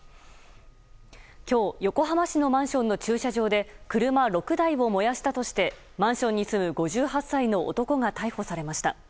今日横浜市のマンションの駐車場で車６台を燃やしたとしてマンションに住む５８歳の男が逮捕されました。